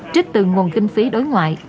trích từ nguồn kinh phí đối ngoại